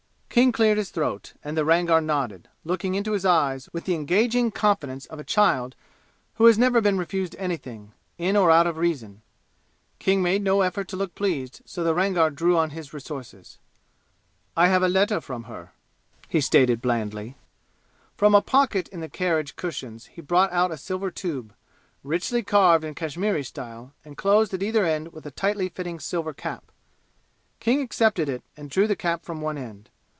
King cleared his throat, and the Rangar nodded, looking into his eyes with the engaging confidence of a child who never has been refused anything, in or out of reason. King made no effort to look pleased, so the Rangar drew on his resources. "I have a letter from her," he stated blandly. From a pocket in the carriage cushions he brought out a silver tube, richly carved in the Kashmiri style and closed at either end with a tightly fitting silver cap. King accepted it and drew the cap from one end.